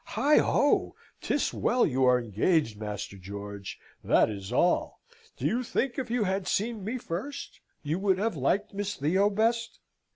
Heigho! 'Tis well you are engaged, Master George, that is all. Do you think if you had seen me first, you would have liked Miss Theo best?"